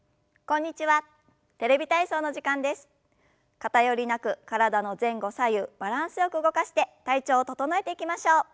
偏りなく体の前後左右バランスよく動かして体調を整えていきましょう。